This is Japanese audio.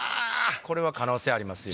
これは可能性ありますよ